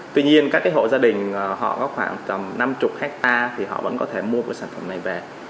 tuy nhiên các hộ gia đình họ có khoảng tầm năm mươi hectare thì họ vẫn có thể mua cái sản phẩm này về